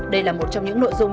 đây là một trong những nội dung